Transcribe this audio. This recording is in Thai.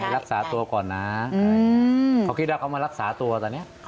แล้วเขาพูดอะไรกับแม่ไหมคะ